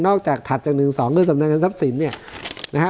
นอกจากถัดจากหนึ่งสองคือสำนักงานทรัพย์ศิลป์เนี้ยนะฮะ